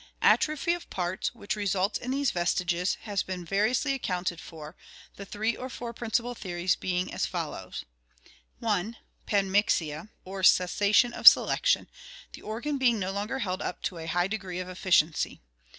— Atrophy of parts, which results in these 1 54 ORGANIC EVOLUTION . vestiges, has been variously accounted for, the three or four prin cipal theories being as follows: i. Panmixia (Gr. 7ra?, all, and au£*?, mixing) or cessation of selection, the organ being no longer held up to a high degree of efficiency.